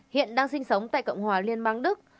hiện đang sinh sống tại cộng hòa liên bang đức